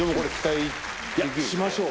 いやしましょう！